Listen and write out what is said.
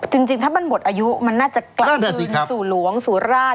จริงถ้ามันหมดอายุมันน่าจะกลับคืนสู่หลวงสู่ราชอย่างนั้นหรือเปล่า